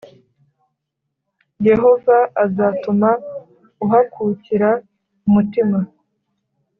yehova azatuma uhakukira umutima,+